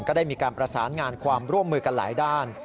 ได้มีการประสานงานความร่วมมือกันหลายด้าน